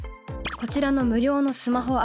こちらの無料のスマホアプリ。